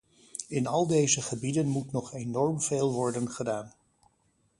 In al deze gebieden moet nog enorm veel worden gedaan.